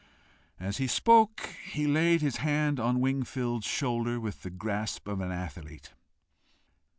As he spoke, he laid his hand on Wingfold's shoulder with the grasp of an athlete.